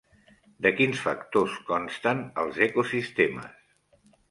De quins factors consten els ecosistemes?